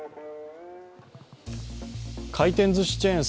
回転ずしチェーン